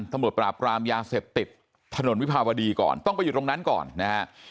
ตำรวจปราบกรามยาเสพติดถนนวิภาวดีก่อนต้องไปอยู่ตรงนั้นก่อนนะฮะ